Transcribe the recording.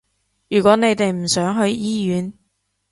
如果你哋唔想去醫院